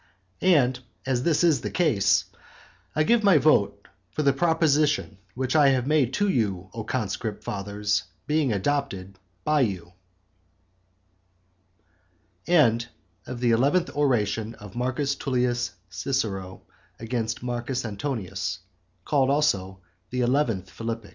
And as this is the case, I give my vote for the proposition which I have made to you, O conscript fathers, being adopted by you. THE TWELFTH ORATION OF M T CICERO AGAINST MARCUS ANTONIUS. CALLED ALSO THE TWELFTH PHILIPPIC. THE ARGUMENT.